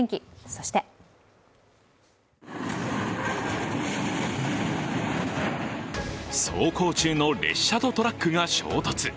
そして走行中の列車とトラックが衝突。